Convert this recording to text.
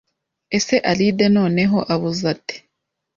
Ese Alide noneho abuze ate